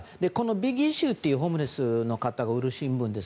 「ビッグ・イシュー」というホームレスの方が売る新聞です。